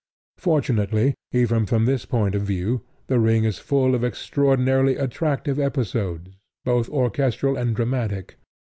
Fortunately, even from this point of view, The Ring is full of extraordinarily attractive episodes, both orchestral and dramatic.